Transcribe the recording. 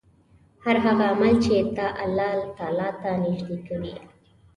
هر هغه عمل چې تا الله تعالی ته نژدې کوي